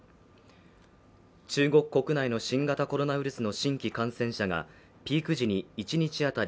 中国国内の新型コロナウイルスの新規感染者がピーク時に１日当たり